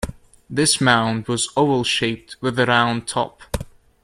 This mound was oval shaped with a round top.